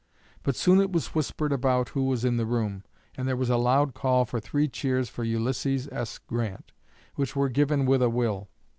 But soon it was whispered about who was in the room, and there was a loud call for three cheers for Ulysses S. Grant, which were given with a will.